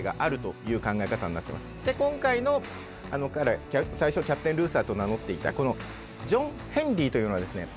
で今回のあの彼最初キャプテン・ルーサーと名乗っていたこのジョン・ヘンリーというのはですね